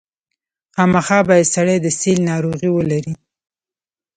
خامخا باید سړی د سِل ناروغي ولري.